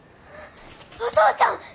お父ちゃん！